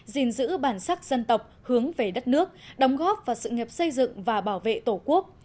gìn giữ bản sắc dân tộc hướng về đất nước đóng góp vào sự nghiệp xây dựng và bảo vệ tổ quốc